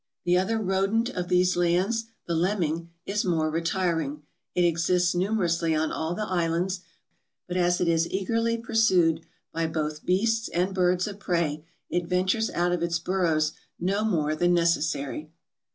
The other rodent of these lands, the lemming, is more re tiring. It exists numerously on all the islands, but as it is eagerly pursued by both beasts and birds of prey it ventures out of its burrows no more than necessary.